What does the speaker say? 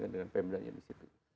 dengan pemblanya di situ